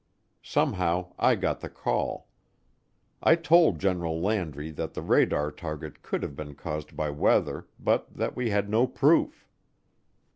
Somehow I got the call. I told General Landry that the radar target could have been caused by weather but that we had no proof.